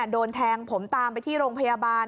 โดนแทงผมตามไปที่โรงพยาบาล